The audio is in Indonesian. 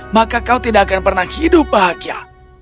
maka kau tidak akan pernah hidup bahagia